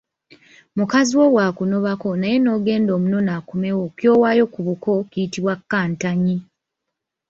Mukazi wo bw’akunobako naye n’ogenda omunone akomewo, ky’owaayo ku buko kiyitibwa Kantanyi.